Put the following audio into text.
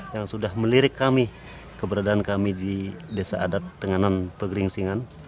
yang sudah melirik kami keberadaan kami di desa adat tenganan pegeringsingan